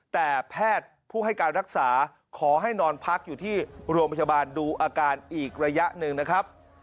แต่แพทย์ผู้ให้การรักษาขอให้นอนพักอยู่ที่โรงพยาบาลดูอาการอีกระยะหนึ่งนะครับ